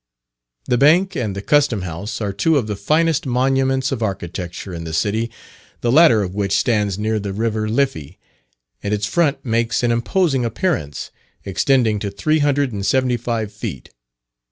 The Bank and the Custom House are two of the finest monuments of architecture in the city; the latter of which stands near the river Liffey, and its front makes an imposing appearance, extending to three hundred and seventy five feet.